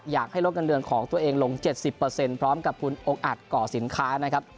อยากให้ลดเงินเดือนของตัวเองลง๗๐พร้อมกับคุณองค์อัดก่อสินค้านะครับ